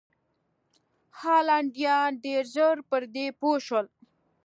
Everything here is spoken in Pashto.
هالنډیان ډېر ژر پر دې پوه شول.